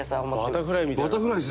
「バタフライみたい」